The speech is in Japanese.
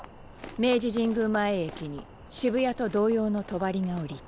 明治神宮前駅に渋谷と同様の帳が下りた。